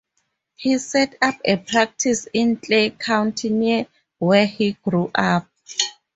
He set up a practice in Clay County near where he grew up.